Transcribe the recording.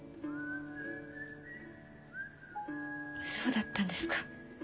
そうだったんですか。